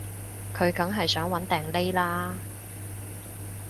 佢梗係想搵掟匿喇